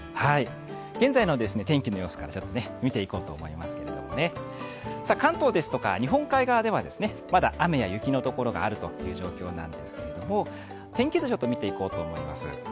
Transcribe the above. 現在の天気の様子から見ていこうと思いますけれども関東ですとか日本海側ではまだ雨や雪のところがあるという状況ですが、天気図、見ていこうと思います。